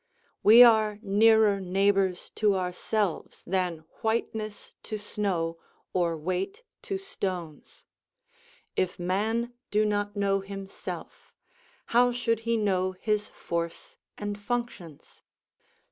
We are nearer neighbours to ourselves than whiteness to snow, or weight to stones. If man do not know himself, how should he know his force and functions?